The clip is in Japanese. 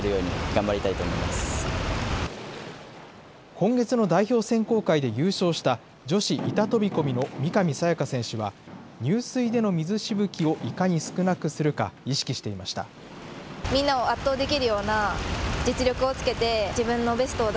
今月の代表選考会で優勝した、女子板飛び込みの三上紗也可選手は、入水での水しぶきをいかに少なくするか、続いて気象情報です。